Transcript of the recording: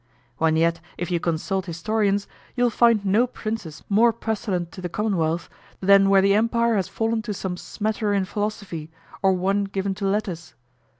When yet if you consult historians, you'll find no princes more pestilent to the commonwealth than where the empire has fallen to some smatterer in philosophy or one given to letters.